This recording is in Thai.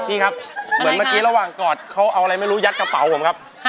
พี่ครับเหมือนเมื่อกี้ระหว่างกอดเขาเอาอะไรไม่รู้ยัดกระเป๋าผมครับ